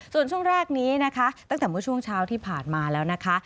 ส่วนช่วงแรกนี้นะคะตั้งแต่เมื่อช่วงเช้าที่ผ่านมาแล้วนะคะ